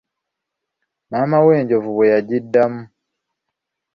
Maama we'enjovu bwe yagiddamu.